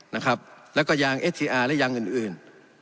นะครับแล้วก็ยางเอสทีอาร์และยางอื่นอื่น